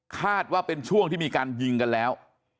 คาดว่าเป็นช่วงที่มีการยิงกันแล้ว